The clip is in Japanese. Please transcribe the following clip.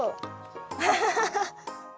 アハハハ。